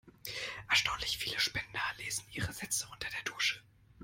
Erstaunlich viele Spender lesen ihre Sätze unter der Dusche.